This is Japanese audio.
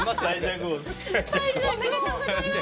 おめでとうございます。